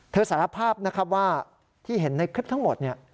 สารภาพนะครับว่าที่เห็นในคลิปทั้งหมดเนี่ย